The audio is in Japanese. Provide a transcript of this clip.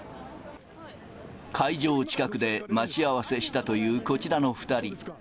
会場近くで待ち合わせしたというこちらの２人。